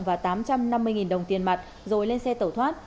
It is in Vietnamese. và tám trăm năm mươi đồng tiền mặt rồi lên xe tẩu thoát